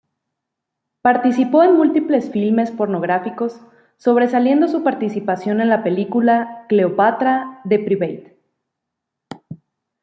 Participó en múltiples filmes pornográficos, sobresaliendo su participación en la película "Cleopatra" de Private.